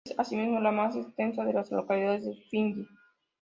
Es asimismo la más extensa de las localidades de Fiyi.